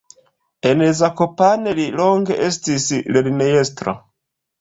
En Zakopane li longe estis lernejestro.